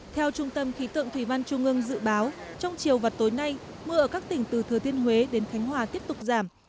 theo trung tâm khí tượng thủy văn trung ương dự báo trong chiều và tối nay mưa ở các tỉnh từ thừa thiên huế đến khánh hòa tiếp tục giảm